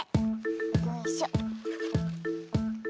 よいしょ。